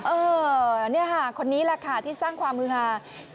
เออนี่ค่ะคนนี้แหละค่ะที่สร้างความฮือฮา